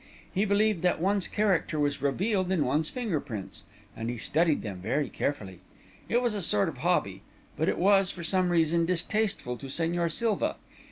He believed that one's character was revealed in one's finger prints, and he studied them very carefully. It was a sort of hobby; but it was, for some reason, distasteful to Señor Silva.